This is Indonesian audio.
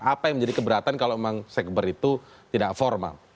apa yang menjadi keberatan kalau memang sekber itu tidak formal